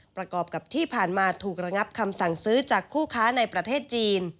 ประกอบกับที่ผ่านมาถูกระงับคำสั่งซื้อจากคู่ค้าในประเทศจีน